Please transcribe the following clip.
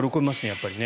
やっぱり。